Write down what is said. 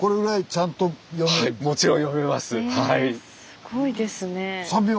すごいですね。